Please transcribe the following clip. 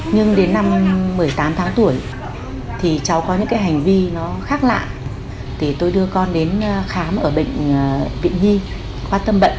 nhưng đến năm một mươi tám tháng tuổi thì cháu có những hành vi khác lạ tôi đưa con đến khám ở bệnh viện nhi khoa tâm bệnh kết luận là cháu mắc chứng bệnh tự kỷ